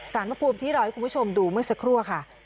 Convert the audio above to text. พระภูมิที่เราให้คุณผู้ชมดูเมื่อสักครู่ค่ะ